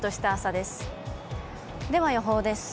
では予報です。